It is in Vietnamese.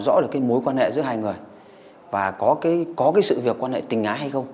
đó để mình muốn